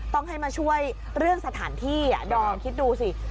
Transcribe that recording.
ต้องให้มาช่วยเรื่องสถานที่ดอมคิดดูสิ